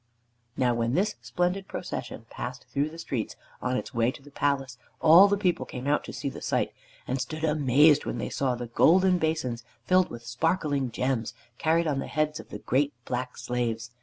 Now when this splendid procession passed through the streets on its way to the palace, all the people came out to see the sight, and stood amazed when they saw the golden basins filled with sparkling gems carried on the heads of the great black slaves.